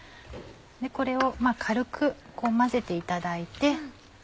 これを軽く混ぜていただいて。